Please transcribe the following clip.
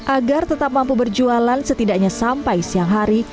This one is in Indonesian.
agar tetap mampu berjualan setidaknya sampai siang hari